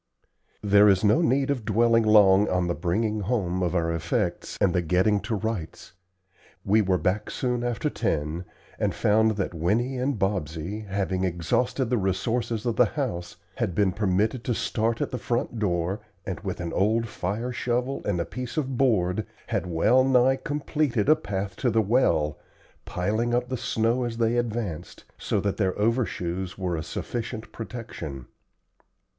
There is no need of dwelling long on the bringing home of our effects and the getting to rights. We were back soon after ten, and found that Winnie and Bobsey, having exhausted the resources of the house, had been permitted to start at the front door, and, with an old fire shovel and a piece of board, had well nigh completed a path to the well, piling up the snow as they advanced, so that their overshoes were a sufficient protection.